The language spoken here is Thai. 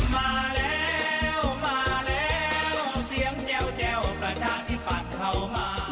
มาแล้วมาแล้วเสียงแจ้วประชาธิปัตย์เข้ามา